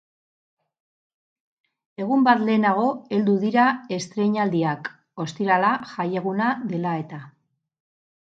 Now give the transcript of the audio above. Egun bat lehenago heldu dira estreinaldiak, ostirala jaieguna dela eta.